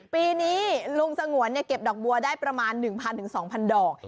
ปีนี้ลุงสงวนเก็บดอกบัวได้ประมาณ๑๐๐๒๐๐ดอก